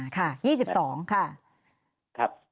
ค่ะ๒๒ค่ะ